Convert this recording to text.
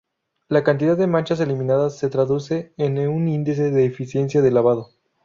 La cantidad de manchas eliminadas se traducen en un índice de eficiencia de lavado.